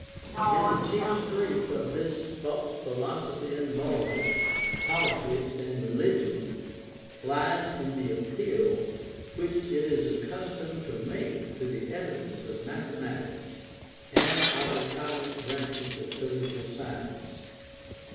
And the chief strength of this false philosophy in morals, politics, and religion, lies in the appeal which it is accustomed to make to the evidence of mathematics and of the cognate branches of physical science.